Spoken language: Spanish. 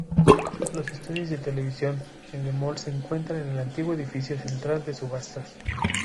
Los estudios de televisión Endemol se encuentra en el antiguo edificio central de subastas.